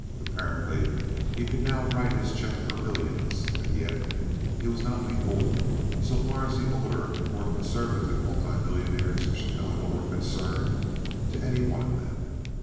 Apparently he could now write his check for millions, and yet he was not beholden, so far as the older and more conservative multimillionaires of Chicago were concerned, to any one of them.